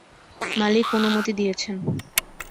মালিক অনুমতি দিয়েছেন।